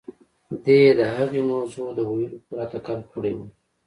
دې د هغې موضوع د ويلو پوره تکل کړی و.